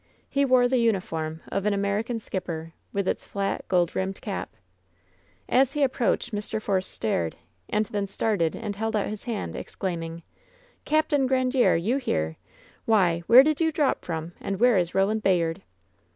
He wore the uniform of an American skipper, with its flat, gold rimmed cap. As he approached Mr. Force stared, and then started and held out his hand, exclaiming: ^^Capt. Grandiere ! You here ! Why, where did you drop from, and where is Roland Bayard?"